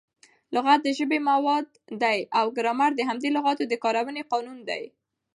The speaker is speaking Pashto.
لغت د ژبي مواد دي او ګرامر د همدې لغاتو د کاروني قانون دئ.